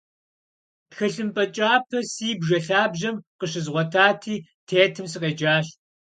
Тхылъымпӏэ кӏапэ си бжэ лъабжьэм къыщызгъуэтати, тетым сыкъеджащ.